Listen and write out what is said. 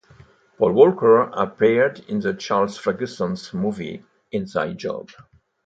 Paul Volcker appeared in the Charles Ferguson's movie "Inside Job".